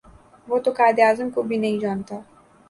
وہ تو قاہد اعظم کو بھی نہیں جانتا